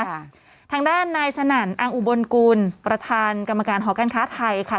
ทางด้านนายสนั่นอังอุบลกูลประธานกรรมการหอการค้าไทยค่ะ